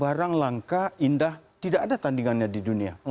barang langka indah tidak ada tandingannya di dunia